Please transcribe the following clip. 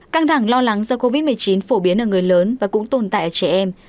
căng thẳng lo lắng do covid một mươi chín phổ biến ở người lớn và cũng tồn tại ở trẻ em